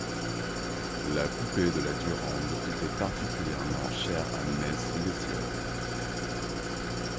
la poupée de la Durande était particulièrement chère à mess Lethierry.